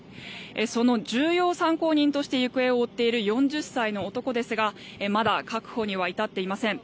その重要参考人として行方を追っている４０歳の男ですがまだ確保には至っていません。